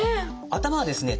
頭はですね